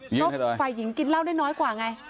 เพราะฝ่ายหญิงกินเหล้าได้น้อยกว่าไง